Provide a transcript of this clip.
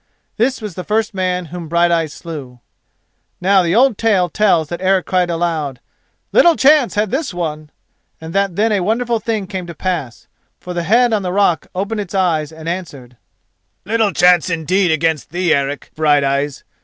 This was the first man whom Brighteyes slew. Now the old tale tells that Eric cried aloud: "Little chance had this one," and that then a wonderful thing came to pass. For the head on the rock opened its eyes and answered: "Little chance indeed against thee, Eric Brighteyes.